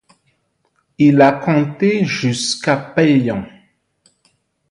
Il a compté jusqu'à payants.